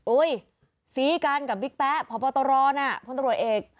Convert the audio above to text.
โอ้ยซีกันกับบิ๊กแป๊พบตรพ่นตรวจเอก